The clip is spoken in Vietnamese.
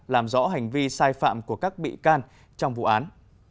làm rõ hành vi sai phạm của các bị can trong vụ án